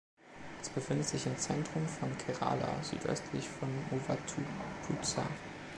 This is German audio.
Es befindet sich im Zentrum von Kerala, südöstlich von Muvattupuzha.